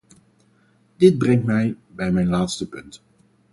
Dit brengt mij bij mijn laatste punt.